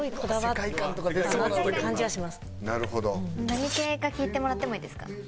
何系か聞いてもらってもいいですか？